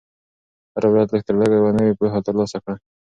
هره ورځ لږ تر لږه یوه نوې پوهه ترلاسه کړه.